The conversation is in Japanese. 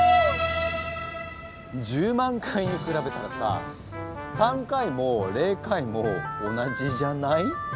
１０万回に比べたらさ３回も０回も同じじゃない？